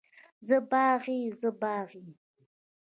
زه باغي، زه باغي.